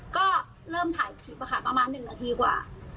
ก็เริ่มถ่ายคลิปค่ะประมาณ๑นาทีกว่า